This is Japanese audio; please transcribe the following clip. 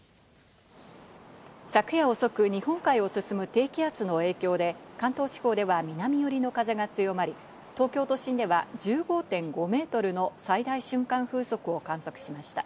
昨夜遅く日本海を進む低気圧の影響で、関東地方では南寄りの風が強まり、東京都心では１５．５メートルの最大瞬間風速を観測しました。